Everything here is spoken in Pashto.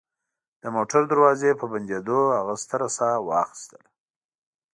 د موټر دروازې په بندېدو هغه ستره ساه واخیستله